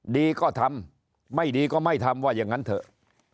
ดีก็ทำไม่ดีก็ไม่ทำว่าอย่างนั้นเถอะ